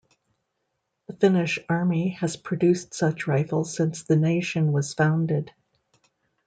The Finnish Army has produced such rifles since the nation was founded.